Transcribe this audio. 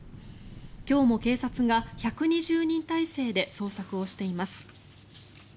今日も警察が１２０人態勢で捜索をしています。